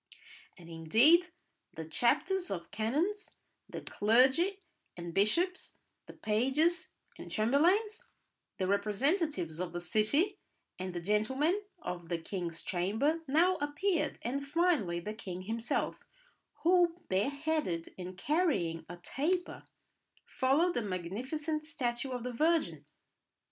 And indeed the chapters of canons, the clergy and bishops, the pages and chamberlains, the representatives of the city, and the gentlemen of the king's chamber now appeared, and finally the king himself, who, bare headed and carrying a taper, followed the magnificent statue of the Virgin.